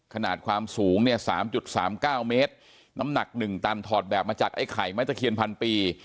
ขนาดความสูงเนี่ย๓๓๙เมตรน้ำหนัก๑ตันถอดแบบมาจากไอ้ไข่ไม้ตะเคียนพันปี